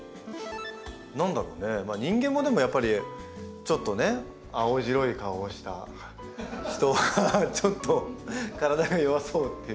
何だろうね人間もでもやっぱりちょっとね青白い顔をした人はちょっと体が弱そうっていうか。